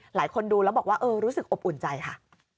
หลายคนดูแล้วบอกว่าเออรู้สึกอบอุ่นใจค่ะ